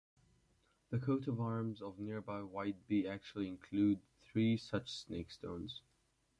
The coat of arms of nearby Whitby actually include three such 'snakestones'.